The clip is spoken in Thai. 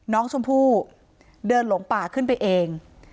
น้องชมพู่เดินหลงป่าขึ้นไปเอง